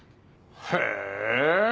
へえ。